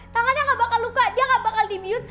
tangannya gak bakal luka dia gak bakal di mius